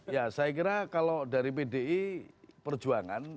ya saya kira kalau dari pdi perjuangan